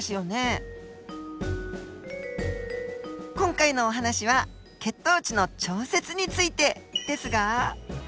今回のお話は血糖値の調節についてですが。